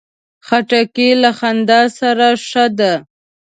خټکی له خندا سره ښه ده.